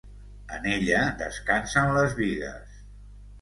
En ella descansen les bigues.